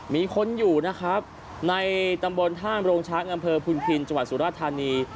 มีคนอยู่นะครับในตำบลท่ามโรงช้างอำเภอพุนพินจังหวัดสุราธานี